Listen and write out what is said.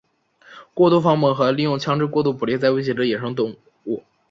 过度放牧和利用枪枝过度捕猎在威胁着野生生物。